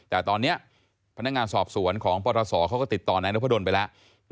แต่ตอนนี้พนักงานสอบสวนของปศเขาก็ติดต่อนายนพดลไปแล้ว